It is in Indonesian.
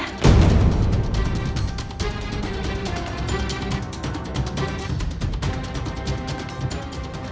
aku gak mau